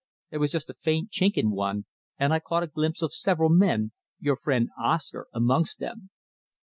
There was just a faint chink in one, and I caught a glimpse of several men, your friend Oscar amongst them.